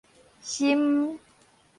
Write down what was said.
森